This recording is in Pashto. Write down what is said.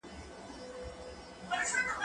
زه هره ورځ مېوې خورم!.